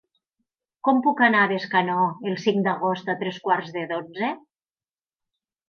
Com puc anar a Bescanó el cinc d'agost a tres quarts de dotze?